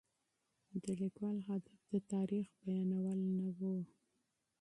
د لیکوال هدف یوازې د تاریخ بیانول نه و.